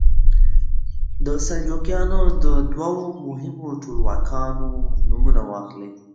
د سلجوقیانو د دوو مهمو ټولواکانو نومونه واخلئ.